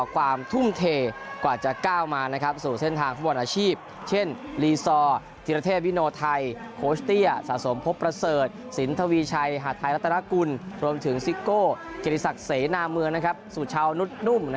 คือมีคุณพี่ทูลบอลนุ่ม